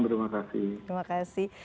selamat malam terima kasih